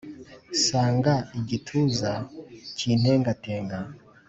nsanga igituza kintengatenga